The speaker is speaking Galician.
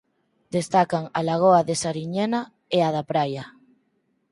Destacan a lagoa de Sariñena e a da Praia.